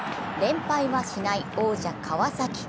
連敗はしない王者・川崎。